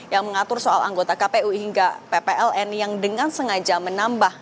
yang mengatur soal anggota kpu hingga ppln yang dengan sengaja menambah